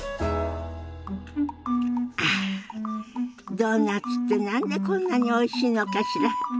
あドーナツって何でこんなにおいしいのかしら。